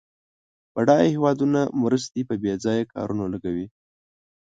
بډایه هېوادونه مرستې په بیځایه کارونو لګوي.